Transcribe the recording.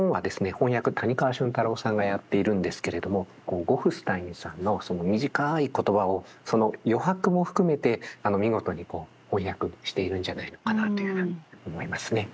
翻訳谷川俊太郎さんがやっているんですけれどもゴフスタインさんの短い言葉を余白も含めて見事に翻訳しているんじゃないのかなというふうに思いますね。